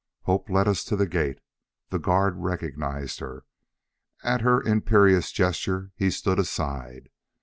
Hope led us to the gate. The guard recognized her. At her imperious gesture he stood aside.